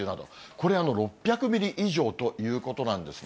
これ６００ミリ以上ということなんですね。